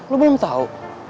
lo belum tahu